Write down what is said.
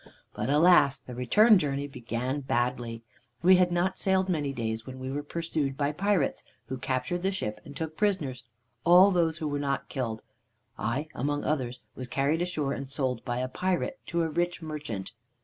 "But alas! the return journey began badly. We had not sailed many days, when we were pursued by pirates, who captured the ship, and took prisoners all those who were not killed. I, among others, was carried ashore and sold by a pirate to a rich merchant.